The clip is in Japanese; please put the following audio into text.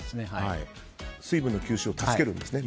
水分の吸収を助けるんですね